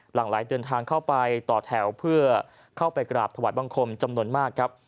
หลังไหลเดินทางเข้าไปต่อแถวเพื่อเข้าไปกราบถวายบังคมจำนวนมากครับ